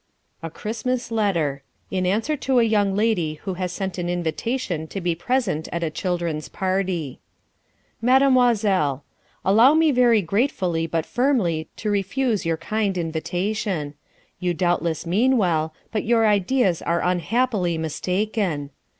A Christmas Letter (In answer to a young lady who has sent an invitation to be present at a children's party) Mademoiselle, Allow me very gratefully but firmly to refuse your kind invitation. You doubtless mean well; but your ideas are unhappily mistaken.